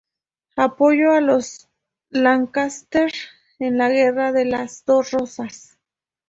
Apoyó a los Lancaster en la Guerra de las Dos Rosas.